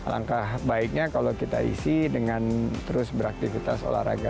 langkah baiknya kalau kita isi dengan terus beraktivitas olahraga